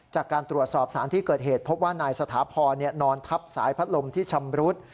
จากการตรวจสอบสารที่เกิดเหตุพบว่านายสถาพรนอนทับสายพัดลมที่ชำรุด